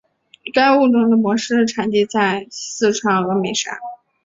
该物种的模式产地在四川峨眉山。